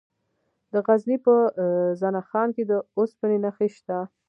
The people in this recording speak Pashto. د غزني په زنه خان کې د اوسپنې نښې شته.